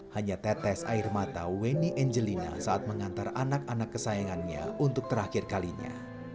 hanya tetes air mata wenny angelina saat mengantar anak anak kesayangannya untuk terakhir kalinya